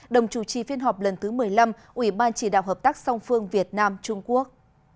đồng chủ trì phiên họp lần thứ một mươi năm ủy ban chỉ đạo hợp tác song phương việt nam trung quốc